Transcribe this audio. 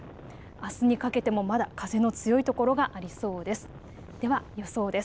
あすにかけてもまだ風の強いところがありそうです。